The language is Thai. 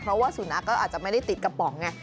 เพราะว่าสุนัขก็อาจจะไม่ได้ติดกระป๋องไง